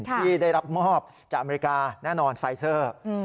ที่ได้รับมอบจากอเมริกาแน่นอนไฟเซอร์